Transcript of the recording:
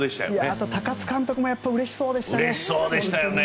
あと高津監督もうれしそうでしたよね。